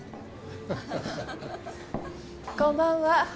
こんばんは。